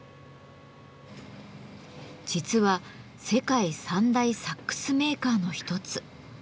実は世界３大サックスメーカーの一つ。